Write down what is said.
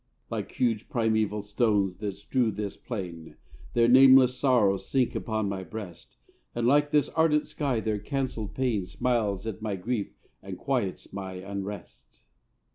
Like huge primeval stones that strew this plain, Their nameless sorrows sink upon my breast, And like this ardent sky their cancelled pain Smiles at my grief and quiets my unrest.